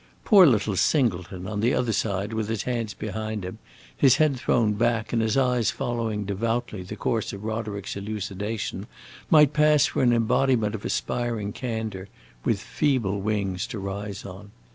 Poor little Singleton, on the other side, with his hands behind him, his head thrown back, and his eyes following devoutly the course of Roderick's elucidation, might pass for an embodiment of aspiring candor, with feeble wings to rise on.